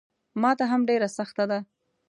ماته هم ډېره سخته ده.